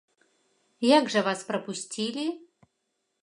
Як жа вас прапусцілі?